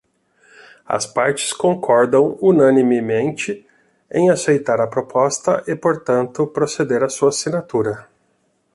As partes concordam unanimemente em aceitar a proposta e, portanto, proceder à sua assinatura.